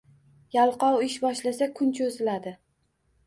Yalqov ish boshlasa, kun choʻziladi